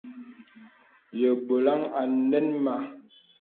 Yə bɔlaŋ a nɛŋ mə.